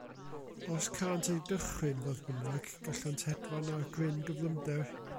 Os cânt eu dychryn, fodd bynnag, gallant hedfan ar gryn gyflymder.